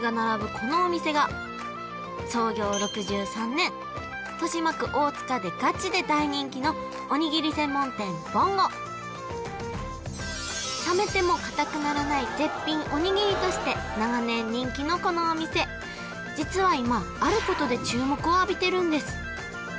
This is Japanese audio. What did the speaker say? このお店が創業６３年豊島区大塚でガチで大人気のおにぎり専門店ぼんごとして長年人気のこのお店実は今あることで注目を浴びてるんです